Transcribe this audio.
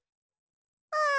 ああ。